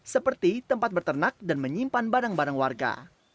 seperti tempat berternak dan menyimpan barang barang warga